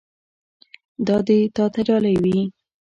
دا دې تا ته ډالۍ وي.